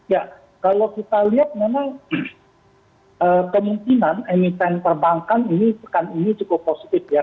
ya kalau kita lihat memang kemungkinan emiten perbankan ini pekan ini cukup positif ya